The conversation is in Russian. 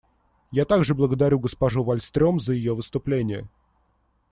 Я также благодарю госпожу Вальстрём за ее выступление.